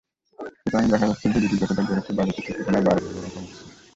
সুতরাং দেখা যাচ্ছে জিডিপি যতটা বেড়েছে, বাজেট সেই তুলনায় বাড়েনি, বরং কমেছে।